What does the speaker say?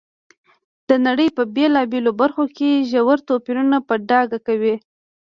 د نړۍ په بېلابېلو برخو کې ژور توپیرونه په ډاګه کوي.